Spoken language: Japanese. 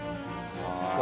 そっか。